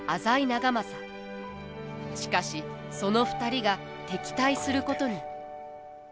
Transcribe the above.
しかしその２人が敵対することに。